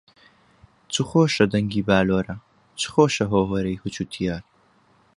چ خۆشە دەنگی باللۆرە، چ خۆشە هۆوەرەی جوتیار